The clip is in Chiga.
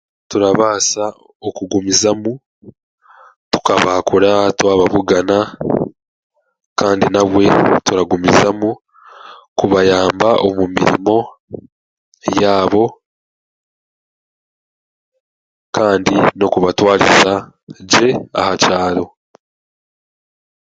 Turabaasa okugumizamu okubaakura twababugana kandi nabwe turagumizamu kubayamba omu mirimo yaabo kandi n'okubaatwariza gye aha kyaro